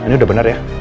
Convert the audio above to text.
nah ini udah bener ya